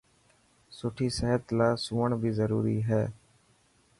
سٺي صحت لاءِ سوڻ بي ضروري هي.